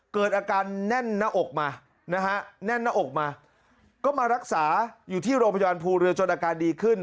เกิดอาการแน่นหน้าอกมานะฮะแน่นหน้าอกมาก็มารักษาอยู่ที่โรงพยาบาลภูเรือจนอาการดีขึ้น